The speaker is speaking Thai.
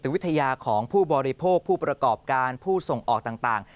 วิทยาของผู้บริโภคผู้ประกอบการผู้ส่งออกต่าง